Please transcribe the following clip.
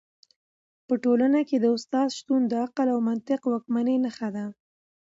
په ټولنه کي د استاد شتون د عقل او منطق د واکمنۍ نښه ده.